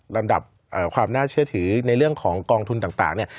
ลำดับความน่าเชื่อถือในเรื่องของกองทุนต่างเนี่ย